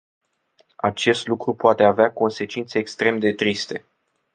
Acest lucru poate avea consecințe extrem de triste.